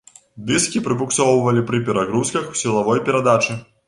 Дыскі прабуксоўвалі пры перагрузках ў сілавой перадачы.